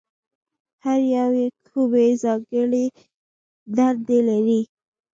هر یو یې کومې ځانګړې دندې لري؟